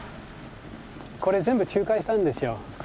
これ全部仲介したんですよ。